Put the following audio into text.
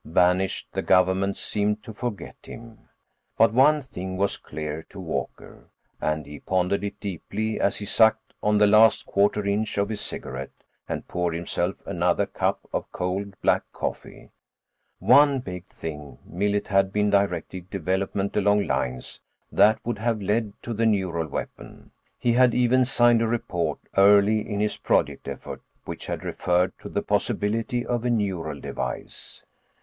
Banished, the government seemed to forget him. But one thing was clear to Walker, and he pondered it deeply as he sucked on the last quarter inch of his cigarette and poured himself another cup of cold black coffee. One big thing: Millet had been directing development along lines that would have led to the neural weapon; he had even signed a report, early in his project effort, which had referred to the possibility of "a neural device."